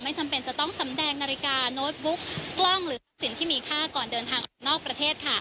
จำเป็นจะต้องสำแดงนาฬิกาโน้ตบุ๊กกล้องหรือสิ่งที่มีค่าก่อนเดินทางออกนอกประเทศค่ะ